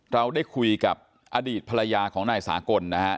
เราได้คุยกับอดีตภรรยาของนายสากลนะฮะ